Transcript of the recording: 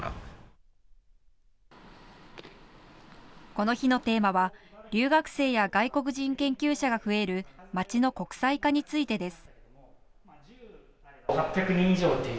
この日のテーマは留学生や外国人研究者が増える町の国際化についてです。